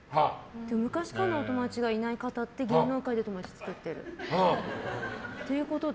昔からのお友達がいない方は芸能界で友達を作ってるってことだ。